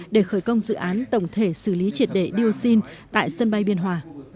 để khởi công dự án tổng thể xử lý triệt để dioxin tại sân bay biên hòa